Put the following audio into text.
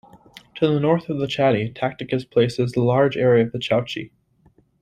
To the north of the Chatti, Tacitus places the large area of the Chauci.